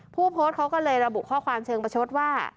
ผู้โพสต์เขาก็เลยระบุข้อความเชิงประชดว่า